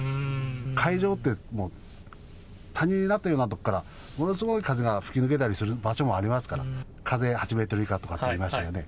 海上ってもう谷になっているような所から、ものすごい風が吹き抜けたりする場所もありますから、風が８メートル以下とかって言いましたよね。